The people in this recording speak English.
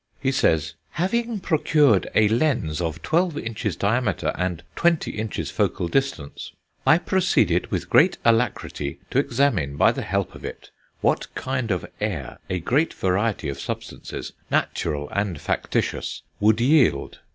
He says: "Having procured a lens of twelve inches diameter and twenty inches focal distance, I proceeded with great alacrity to examine, by the help of it, what kind of air a great variety of substances, natural and factitious, would yield....